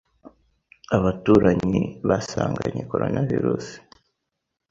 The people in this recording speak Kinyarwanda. abaturanyi basanganye corona virus